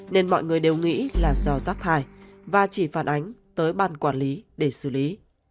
nên mọi người đều nghĩ là do rác thải và chỉ phản ánh tới ban quản lý để xử lý